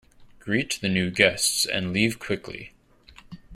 Greet the new guests and leave quickly.